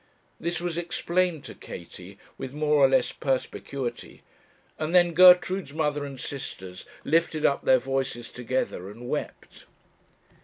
This was explained to Katie, with more or less perspicuity; and then Gertrude's mother and sisters lifted up their voices together and wept.